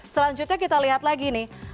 selanjutnya kita lihat lagi nih